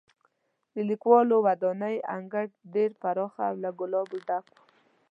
د لیکوالو ودانۍ انګړ ډېر پراخه او له ګلابو ډک و.